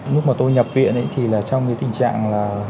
lúc mà tôi nhập viện thì là trong cái tình trạng là